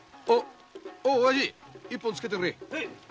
おやじ一本つけてくれ。